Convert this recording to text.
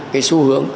cái xu hướng